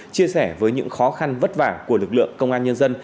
chia sẻ với những khó khăn vất vả của lực lượng công an nhân dân